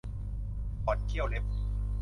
ถอดเขี้ยวเล็บ